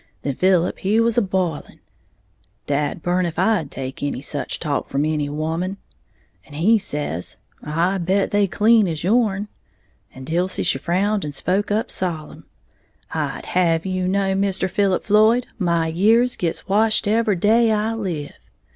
Then Philip he was b'iling (dad burn if I'd take any such talk from any woman!), and he says, 'I bet they clean as yourn!'; and Dilsey she frowned and spoke up solemn, 'I'd have you know, Mister Philip Floyd, my years gits washed every day I live!'